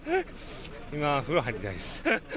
今、風呂入りたいです。